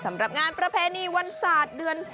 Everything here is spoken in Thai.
สำหรับงานประเพณีวันศาสตร์เดือน๔